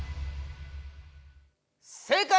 正解！